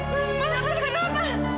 kamu tahu kenapa